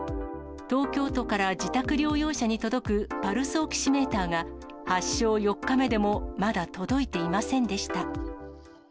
東京都から自宅療養者に届くパルスオキシメーターが、発症４日目でもまだ届いていませんでした。